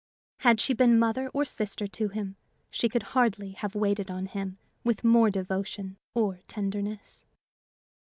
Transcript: Had she been mother or sister to him, she could hardly have waited on him with more devotion or tenderness.